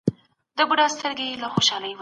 ده وویل چي پښتو زما د شجاعت او مېړانې غږ دی.